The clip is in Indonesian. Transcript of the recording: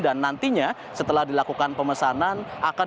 dan nantinya setelah dilakukan pemesanan